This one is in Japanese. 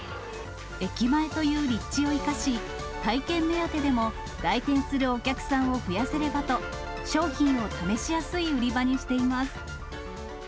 駅前という立地を生かし、体験目当てでも、来店するお客さんを増やせればと、商品を試しやすい売り場にしています。